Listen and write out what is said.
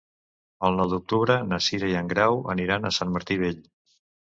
El nou d'octubre na Cira i en Grau aniran a Sant Martí Vell.